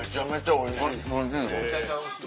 おいしい。